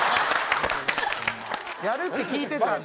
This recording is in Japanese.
やるって聞いてたんで。